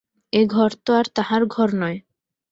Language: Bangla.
এ ঘর তো আর তাহার ঘর নয়।